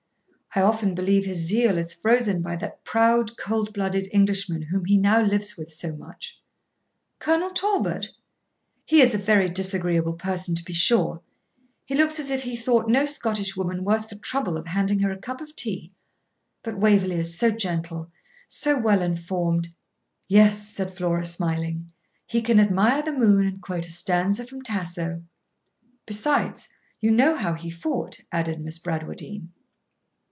I often believe his zeal is frozen by that proud cold blooded Englishman whom he now lives with so much.' 'Colonel Talbot? he is a very disagreeable person, to be sure. He looks as if he thought no Scottish woman worth the trouble of handing her a cup of tea. But Waverley is so gentle, so well informed ' 'Yes,' said Flora, smiling, 'he can admire the moon and quote a stanza from Tasso.' 'Besides, you know how he fought,' added Miss Bradwardine.